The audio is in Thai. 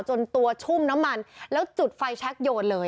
จนตัวชุ่มน้ำมันแล้วจุดไฟแชคโยนเลย